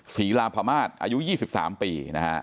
ศรีรามพระมาตรอายุ๒๓ปี